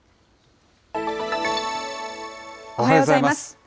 おはようございます。